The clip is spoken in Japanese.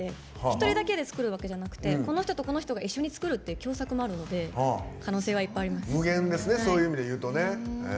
一人だけで作るわけじゃなくてこの人とこの人と一緒に作るって共作もあるので可能性はいっぱいあります。